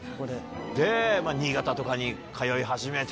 で新潟とかに通い始めて。